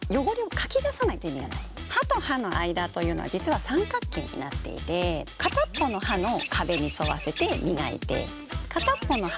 歯と歯の間というのは実は三角形になっていて片っ方の歯の壁に沿わせて磨いて片っ方の歯に沿わせて磨く。